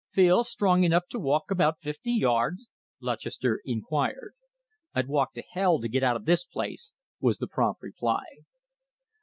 "Feel strong enough to walk about fifty yards?" Lutchester inquired. "I'd walk to hell to get out of this place!" was the prompt reply.